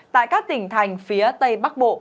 tại các tỉnh thành phía tây bắc bộ